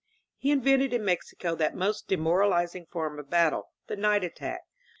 He invented in Mexico that most demoralizing form of battle — the night attack.